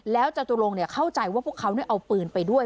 แล้วจตุลงเข้าใจว่าพวกเขาเอาปืนไปด้วย